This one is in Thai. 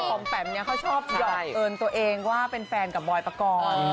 อมแปมเนี่ยเขาชอบหยอกเอิญตัวเองว่าเป็นแฟนกับบอยปกรณ์